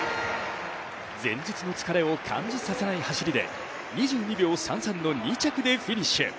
前日の疲れを感じさせない走りで２２秒３３の２着でフィニッシュ。